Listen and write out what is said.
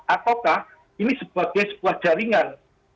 ataukah ini sebagai sebuah jaringan